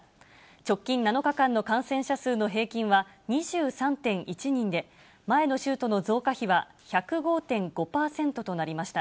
直近７日間の感染者数の平均は２３．１人で、前の週との増加比は１０５．５％となりました。